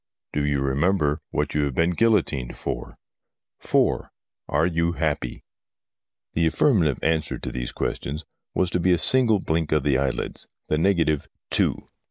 Do you remember what you have been guillotined for ? 4. Are you happy ? The affirmative answer to these questions was to be a single blink of the eyelids, the negative two.